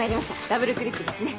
ダブルクリップですね。